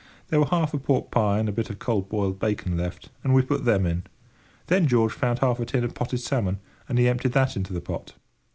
There were half a pork pie and a bit of cold boiled bacon left, and we put them in. Then George found half a tin of potted salmon, and he emptied that into the pot.